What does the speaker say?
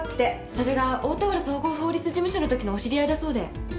それが大田原総合法律事務所のときのお知り合いだそうで。